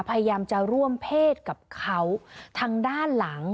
พยายามจะร่วมเพศกับเขาทางด้านหลัง